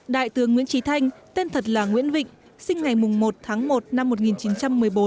đại tướng nguyễn trí thanh tên thật là nguyễn vịnh sinh ngày một tháng một năm một nghìn chín trăm một mươi bốn